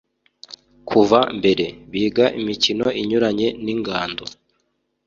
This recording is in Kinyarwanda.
kuva mbere biga imikino inyuranye n’ingando